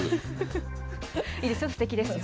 いいですよ、すてきですよ。